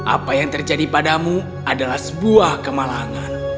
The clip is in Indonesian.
apa yang terjadi padamu adalah sebuah kemalangan